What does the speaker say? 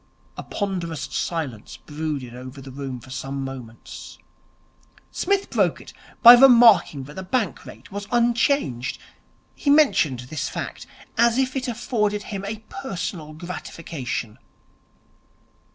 A ponderous silence brooded over the room for some moments. Psmith broke it by remarking that the Bank Rate was unchanged. He mentioned this fact as if it afforded him a personal gratification.